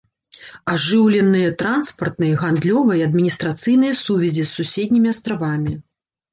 Ажыўленыя транспартныя, гандлёвыя і адміністрацыйныя сувязі з суседнімі астравамі.